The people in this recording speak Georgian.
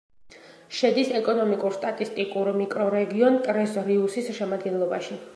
შედის ეკონომიკურ-სტატისტიკურ მიკრორეგიონ ტრეს-რიუსის შემადგენლობაში.